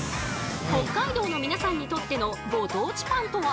北海道の皆さんにとってのご当地パンとは？